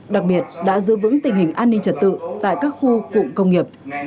đặc biệt đã giữ vững tình hình an ninh trật tự tại các khu cụm công nghiệp